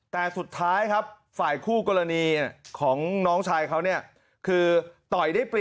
แต่สุดท้ายฝ่ายคู่กรณีของน้องชายเขานี่